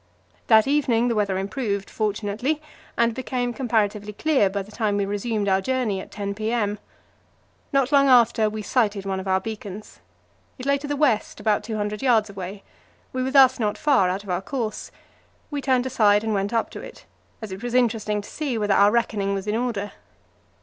That evening the weather improved, fortunately, and became comparatively clear by the time we resumed our journey at 10 p.m. Not long after we sighted one of our beacons. It lay to the west, about 200 yards away. We were thus not far out of our course; we turned aside and went up to it, as it was interesting to see whether our reckoning was in order.